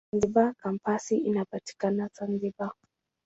Zanzibar Kampasi inapatikana Zanzibar.